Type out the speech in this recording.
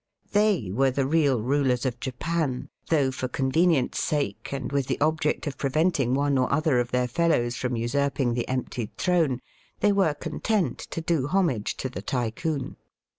21 They were the real rulers of Japan, though for convenience' sake, and with the ohject of preventing one or other of their fellows from usurping the emptied throne, they were content to do homage to the Tycoon.